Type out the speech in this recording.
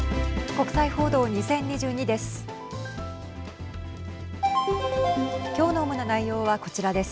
国際報道２０２２です。